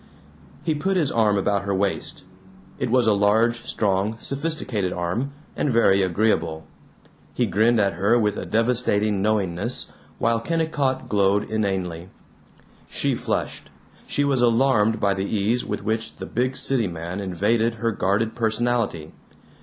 He put his arm about her waist; it was a large, strong, sophisticated arm, and very agreeable; he grinned at her with a devastating knowingness, while Kennicott glowed inanely. She flushed; she was alarmed by the ease with which the big city man invaded her guarded personality.